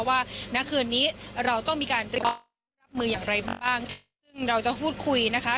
ว่านักคืนนี้เราต้องมีการมืออย่างไรบ้างซึ่งเราจะพูดคุยนะคะ